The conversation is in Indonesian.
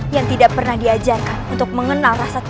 yang tidak pernah diajarkan untuk mengenal rasa takut